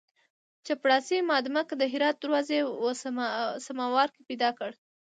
چپړاسي مامدک د هرات دروازې په سماوار کې پیدا کړ.